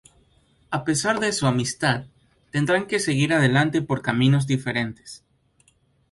A pesar de su amistad, tendrán que seguir adelante por caminos diferentes.